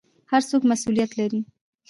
هر څوک مسوولیت لري